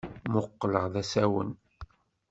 Mmuqqleɣ d asawen.